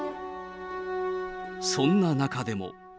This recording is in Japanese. そんな中でも。